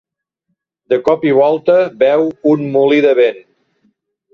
De cop i volta veu un molí de vent.